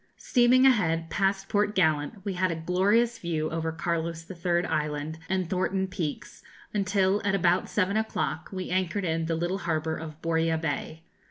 Steaming ahead, past Port Gallant, we had a glorious view over Carlos III. Island and Thornton Peaks, until, at about seven o clock, we anchored in the little harbour of Borja Bay.